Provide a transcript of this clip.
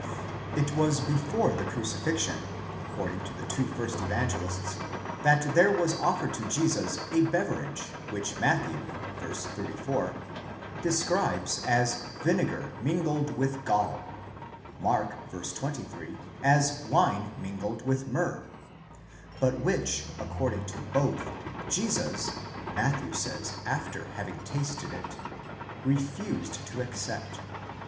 It was before the crucifixion, according to the two first Evangelists, that there was offered to Jesus a beverage, which Matthew (v. 34) describes as vinegar mingled with gall, ὄξος μετὰ χολῆς μεμιγμένον, Mark (v. 23) as wine mingled with myrrh, ἐσμυρνισμένον οἶνον, but which, according to both, Jesus (Matthew says, after having tasted it) refused to accept.